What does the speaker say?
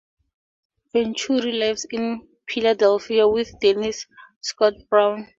Venturi lives in Philadelphia with Denise Scott Brown.